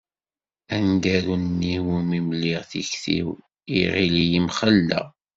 Aneggaru-nni iwumi mliɣ tikti-iw, iɣill-iyi mxelleɣ.